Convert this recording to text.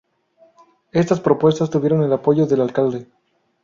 Estas propuestas tuvieron el apoyo del Alcalde.